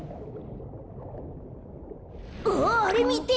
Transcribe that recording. あっあれみて！